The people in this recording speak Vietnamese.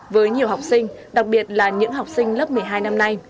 với nhiều học sinh đặc biệt là những học sinh lớp một mươi hai năm nay